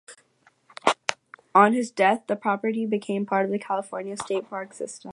On his death, the property became part of the California state park system.